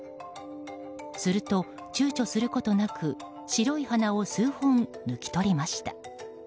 すると、ちゅうちょすることなく白い花を数本抜き取りました。